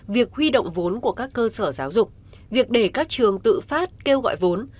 việc huy động vốn của các cơ sở giáo dục việc để các trường tự phát kêu gọi vốn